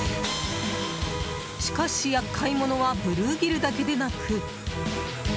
しかし、厄介者はブルーギルだけでなく。